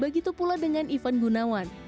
begitu pula dengan ivan gunawan